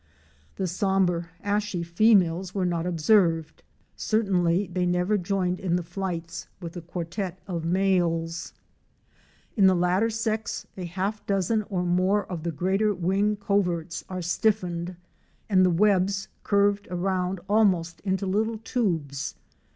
The sombre, ashy females were not observed; certainly they never joined in the flights with the quartet of males. In the latter sex, a half dozen or more of the greater wing coverts are stiffened and the webs curved around almost into little tubes.